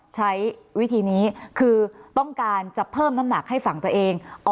ใช้วิธีนี้คือต้องการจะเพิ่มน้ำหนักให้ฝั่งตัวเอง